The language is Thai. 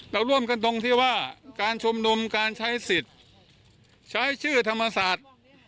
เราร่วมกันตรงที่ว่าการชุมนุมการใช้สิทธิ์ใช้ชื่อธรรมศาสตร์